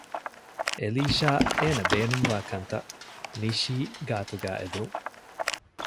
އެލީޝާ އޭނަ ބޭނުންވާ ކަންތަށް ނިޝީ ގާތުގައި އެދުން